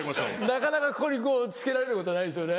なかなかここに着けられることないですよね。